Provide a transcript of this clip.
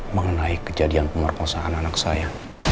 mengenai kejadian pemerkosaan anak saya